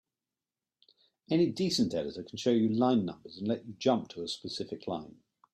Any decent editor can show you line numbers and let you jump to a specific line.